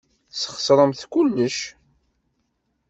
Tesxeṣremt kullec.